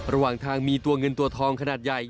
ระหว่างทางมีตัวเงินตัวทองขนาดใหญ่